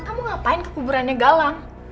kamu ngapain kekuburannya galang